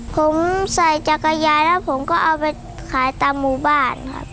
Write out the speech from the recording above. ผมใส่จักรยานแล้วผมก็เอาไปขายตามหมู่บ้านครับ